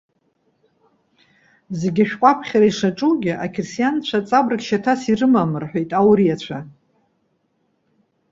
Зегьы ашәҟәы аԥхьара ишаҿугьы, ақьырсианцәа аҵабырг шьаҭас ирымам,- рҳәеит ауриацәа